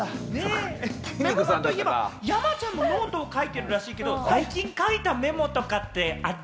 山ちゃんもノートを書いてるらしいけど、最近書いたメモとかってある？